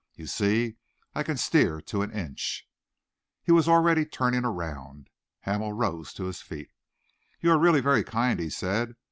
You see, I can steer to an inch." He was already turning around. Hamel rose to his feet. "You are really very kind," he said.